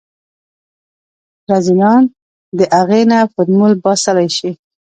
رذيلان د اغې نه فارموله باسلی شي.